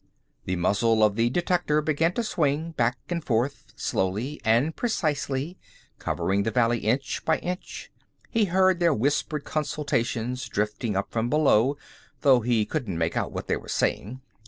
The muzzle of the detector began to swing back and forth slowly and precisely, covering the valley inch by inch. He heard their whispered consultations drifting up from below, though he couldn't make out what they were saying.